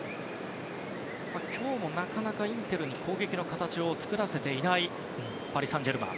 今日もなかなかインテルに攻撃の形を作らせていないパリ・サンジェルマン。